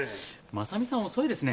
真実さん遅いですね。